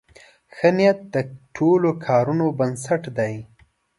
ښه نیت د ټولو کارونو بنسټ دی.